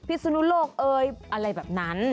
อะไรแบบนั้น